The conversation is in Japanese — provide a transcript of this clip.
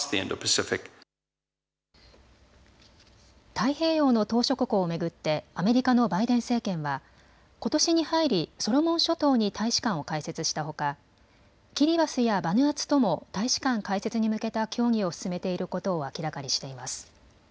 太平洋の島しょ国を巡ってアメリカのバイデン政権はことしに入りソロモン諸島に大使館を開設したほかキリバスやバヌアツとも大使館開設に向けた協議を進めていることを明らかにしています。